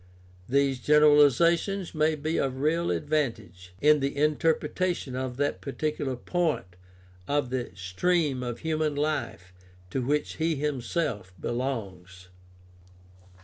These generalizations may be of real advantage in the interpretation of that particular point of the stream of human life to which he himself belongs.